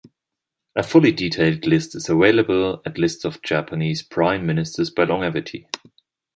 A fully detailed list is available at List of Japanese prime ministers by longevity.